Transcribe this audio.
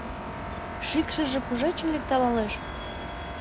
Шикшыже кушечын лекталалеш?